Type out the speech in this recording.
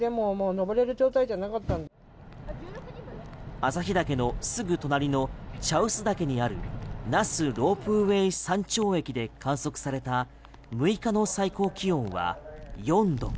朝日岳のすぐ隣の茶臼岳にある那須ロープウェイ山頂駅で観測された６日の最高気温は４度。